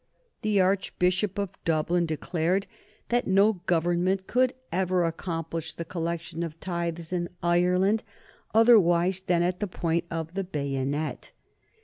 The Archbishop of Dublin declared that no Government could ever accomplish the collection of tithes in Ireland otherwise than at the point of the bayonet.